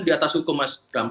di atas hukum mas bram